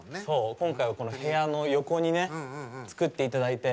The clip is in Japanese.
今回は部屋の横に作っていただいて。